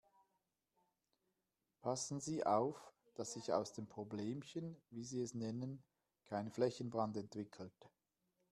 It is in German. Passen Sie auf, dass sich aus dem Problemchen, wie Sie es nennen, kein Flächenbrand entwickelt.